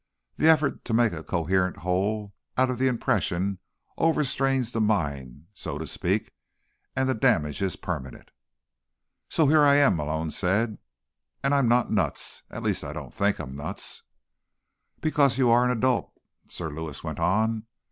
The effort to make a coherent whole out of the impression overstrains the mind, so to speak, and the damage is permanent." "So here I am," Malone said, "and I'm not nuts. At least I don't think I'm nuts." "Because you are an adult," Sir Lewis went on.